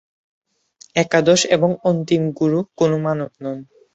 একাদশ এবং অন্তিম গুরু কোন মানব নন।